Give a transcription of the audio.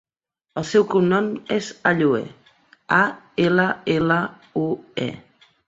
El seu cognom és Allue: a, ela, ela, u, e.